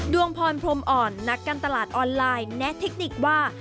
ดวงพรพรมอ่อนนักการตลาดออนไลน์แนะเทคนิคว่า